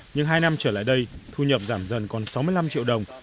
nhưng hai năm trở lại đây thu nhập giảm dần còn sáu mươi năm triệu đồng